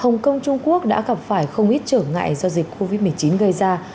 hồng kông trung quốc đã gặp phải không ít trở ngại do dịch covid một mươi chín gây ra